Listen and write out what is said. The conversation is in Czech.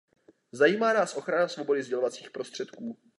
Zajímá nás ochrana svobody sdělovacích prostředků.